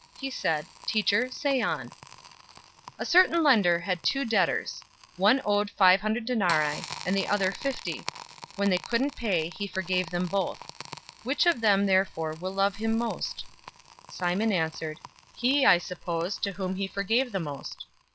He said, "Teacher, say on." 007:041 "A certain lender had two debtors. The one owed five hundred denarii, and the other fifty. 007:042 When they couldn't pay, he forgave them both. Which of them therefore will love him most?" 007:043 Simon answered, "He, I suppose, to whom he forgave the most."